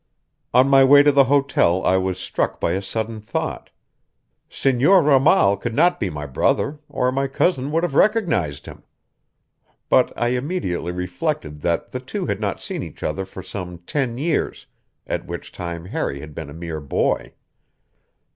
On my way to the hotel I was struck by a sudden thought: Senor Ramal could not be my brother or my cousin would have recognized him! But I immediately reflected that the two had not seen each other for some ten years, at which time Harry had been a mere boy.